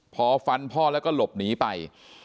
พอฟันพ่อแล้วก็หลบหนีไป